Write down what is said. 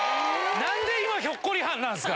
なんで今、ひょっこりはんなんですか。